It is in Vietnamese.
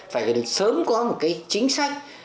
phải được sớm có một cái chính sách